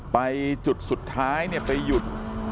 ไปจุดสุดท้ายไปหยุด